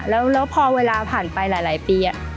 แล้วพอเวลาผ่านไปหลายปี